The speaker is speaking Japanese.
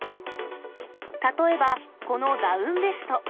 例えばこのダウンベスト。